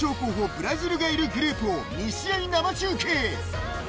ブラジルがいるグループを２試合生中継。